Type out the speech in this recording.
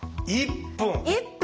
１分！